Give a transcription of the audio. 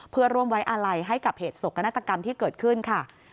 เพื่อร่วมไว้อาลัยให้กับเหตุสกนาฏกรรมที่เกิดขึ้นค่ะ